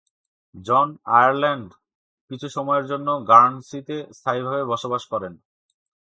জন Ireland কিছু সময়ের জন্য গার্নসিতে স্থায়ীভাবে বসবাস করেন।